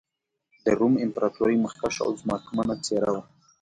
د روم امپراتورۍ مخکښه او ځواکمنه څېره وه.